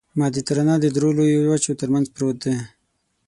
مدیترانه د دریو لویو وچو ترمنځ پروت دی.